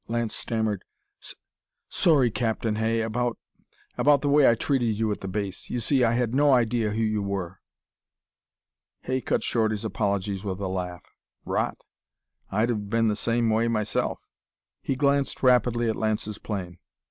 Lance stammered: "S sorry, Captain Hay, about about the way I treated you at the base. You see, I had no idea who you were." Hay cut short his apologies with a laugh. "Rot! I'd've been the same way myself." He glanced rapidly at Lance's plane.